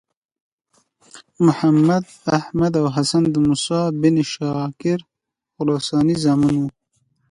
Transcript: محمد، احمد او حسن د موسی بن شاګر خراساني زامن وو.